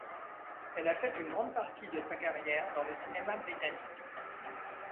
Elle a fait une grande partie de sa carrière dans le cinéma britannique.